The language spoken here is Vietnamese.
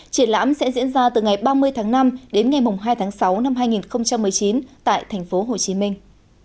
triển lãm sẽ diễn ra từ ngày ba mươi tháng năm đến ngày hai tháng sáu năm hai nghìn một mươi chín tại thành phố hồ chí minh